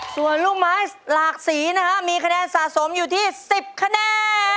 ส่วนลูกไม้หลากสีนะฮะมีคะแนนสะสมอยู่ที่๑๐คะแนน